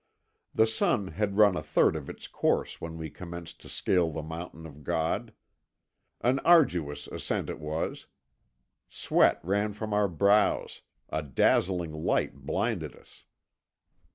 The sun had run a third of its course when we commenced to scale the Mountain of God. An arduous ascent it was: sweat ran from our brows, a dazzling light blinded us.